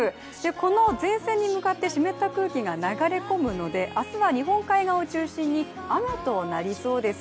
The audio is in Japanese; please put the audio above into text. この前線に向かって湿った空気が流れ込むので明日は日本海側を中心に雨となりそうです。